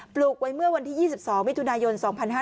ลูกไว้เมื่อวันที่๒๒มิถุนายน๒๕๕๙